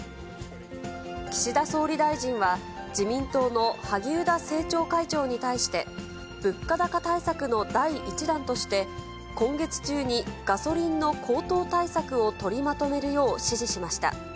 岸田総理大臣は、自民党の萩生田政調会長に対して、物価高対策の第１弾として、今月中にガソリンの高騰対策を取りまとめるよう指示しました。